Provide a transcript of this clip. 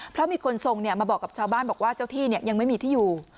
เพราะมีคนทรงมาบอกกับชาวบ้านบอกว่าเจ้าที่ยังไม่มีที่อยู่